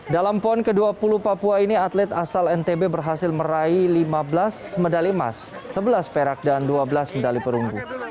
dalam pon ke dua puluh papua ini atlet asal ntb berhasil meraih lima belas medali emas sebelas perak dan dua belas medali perunggu